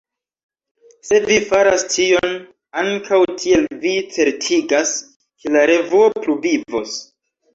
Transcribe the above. Se vi faras tion, ankaŭ tiel vi certigas, ke la revuo pluvivos.